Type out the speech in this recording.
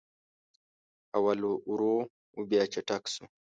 اول ورو و بیا چټک سو